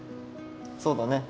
そうだね。